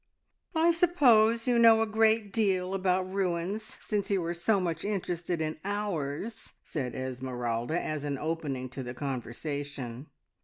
"I suppose you know a great deal about ruins, since you are so much interested in ours," said Esmeralda, as an opening to the conversation.